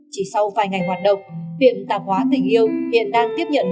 chỉ sau vài ngày hoạt động viện tạp hóa tình yêu hiện đang tiếp nhận